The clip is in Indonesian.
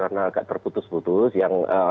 karena agak terputus putus yang